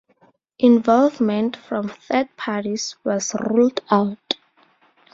Involvement from third parties was ruled out.